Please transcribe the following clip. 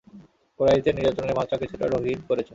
কুরাইশদের নির্যাতনের মাত্রা কিছুটা রহিত করেছে।